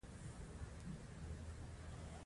نو د زياترو ملاګانې خرابې وي -